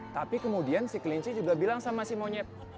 tapi kemudian si klinci juga bilang sama si konyet